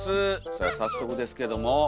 では早速ですけども。